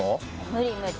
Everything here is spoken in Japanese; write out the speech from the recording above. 無理無理。